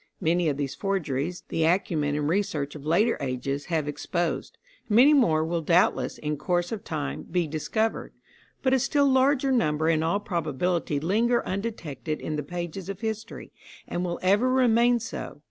Many of these forgeries the acumen and research of later ages have exposed; many more will doubtless, in course of time, be discovered, but a still larger number in all probability linger undetected in the pages of history, and will ever remain so.